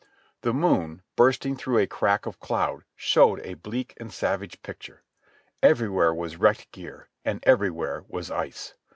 The moon, bursting through a crack of cloud, showed a bleak and savage picture. Everywhere was wrecked gear, and everywhere was ice.